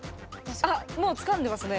あっもうつかんでますね。